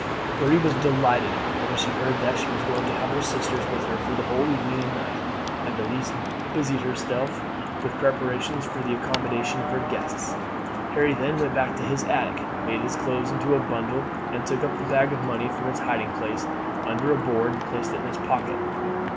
Marie was delighted when she heard that she was going to have her sisters with her for the whole evening and night, and Elise busied herself with preparations for the accommodation of her guests. Harry then went back to his attic, made his clothes into a bundle, and took up the bag of money from its hiding place under a board and placed it in his pocket.